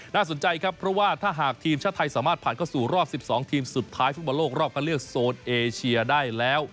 น่าสนใจครับเพราะว่าถ้าหากทีมชาติไทยสามารถผ่านเข้าสู่รอบ๑๒ทีมสุดท้ายฟุตบอลโลกรอบคันเลือกโซนเอเชียได้แล้ว